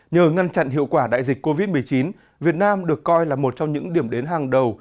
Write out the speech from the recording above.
nhờ ngăn chặn hiệu quả đại dịch covid một mươi chín việt nam được coi là một trong những điểm đến hàng đầu